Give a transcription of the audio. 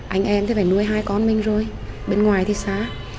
anh em thì phải nuôi hai con mình rồi bên ngoài thì xa